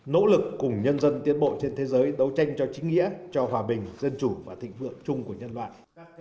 nỗ lực cùng nhân dân tiến bộ trên thế giới đấu tranh cho chính nghĩa cho hòa bình dân chủ và thịnh vượng chung của nhân loại